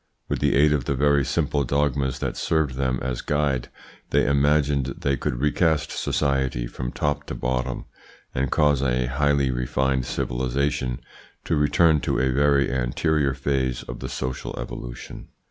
With the aid of the very simple dogmas that served them as guide, they imagined they could recast society from top to bottom, and cause a highly refined civilisation to return to a very anterior phase of the social evolution.